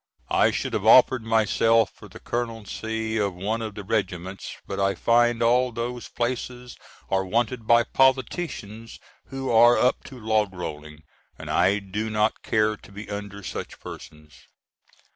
I should have offered myself for the Colonelcy of one of the Regiments, but I find all those places are wanted by politicians who are up to log rolling, and I do not care to be under such persons.